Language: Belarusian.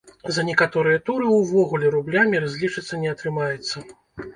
За некаторыя туры увогуле рублямі разлічыцца не атрымаецца.